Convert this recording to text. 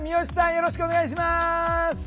よろしくお願いします。